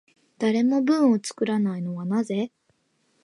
誰も文を作らないのはなぜ？